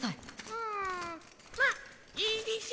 うんまっいいでしょ。